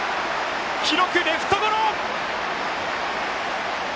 記録、レフトゴロ！